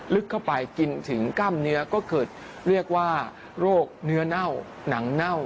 ลึกเข้าไปกินถึงกล้ามเนื้อก็เกิดเรียกว่าโรคเนื้อเน่าหนังเน่า